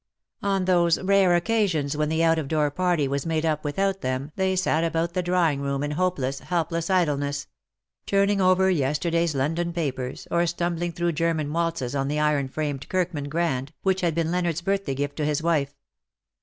On those rare occasions when the out of door party was made up without them they sat about the drawing room in hopeless, helpless idleness — turning over yesterday^s London papers, or stumbling through German waltzes on the iron framed Kirkman grand, which had been Leonardos birthday gift to his wife.